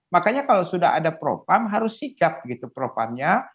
makanya kalau sudah ada propam harus sikap gitu propamnya